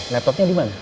laptopnya di mana